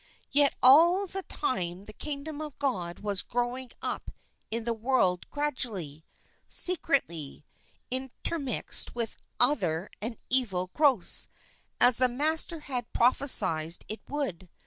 Yet all the time the Kingdom of God was growing up in the world gradually, secretly, in termixed with other and evil growths as the Master had prophesied it would.